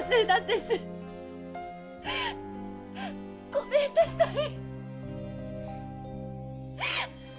ごめんなさい！